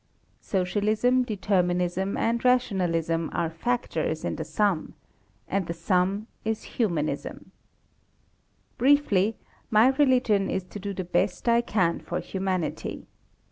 Socialism, Determinism, and Rationalism are factors in the sum; and the sum is Humanism. Briefly, my religion is to do the best I can for humanity.